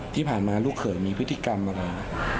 ที่ผ่านมาลูกเขยมีพฤติกรรมอะไร